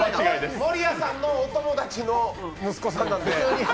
守谷さんのお友達の息子なんで。